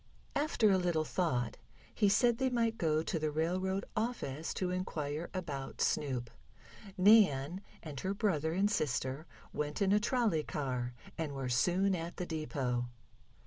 After a little thought he said they might go to the railroad office to inquire about Snoop. Nan and her brother and sister went in a trolley car, and were soon at the depot.